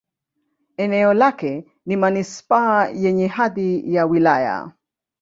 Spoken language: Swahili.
Eneo lake ni manisipaa yenye hadhi ya wilaya.